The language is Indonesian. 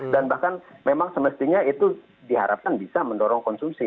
dan bahkan memang semestinya itu diharapkan bisa mendorong konsumsi